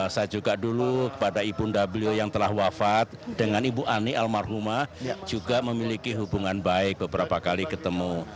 saya juga dulu kepada ibu ndablio yang telah wafat dengan ibu ani almarhumah juga memiliki hubungan baik beberapa kali ketemu